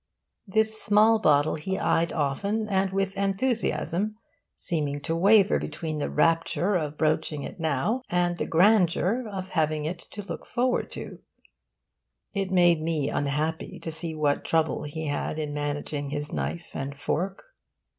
This small bottle he eyed often and with enthusiasm, seeming to waver between the rapture of broaching it now and the grandeur of having it to look forward to. It made me unhappy to see what trouble he had in managing his knife and fork.